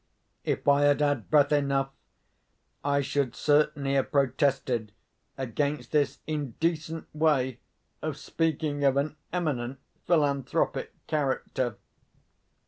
If I had had breath enough, I should certainly have protested against this indecent way of speaking of an eminent philanthropic character.